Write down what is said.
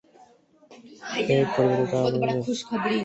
এর পরিবর্তে, তারা বলেন যে,"ইসলাম অন্যদের ক্ষতি না করতে মুসলমানদের শেখায়"।